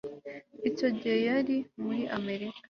icyo gihe yari muri amerika